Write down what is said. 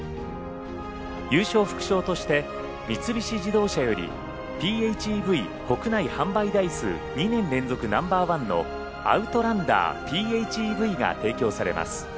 優勝副賞として三菱自動車よりＰＨＥＶ国内販売台数２年連続ナンバー１のアウトランダーＰＨＥＶが提供されます。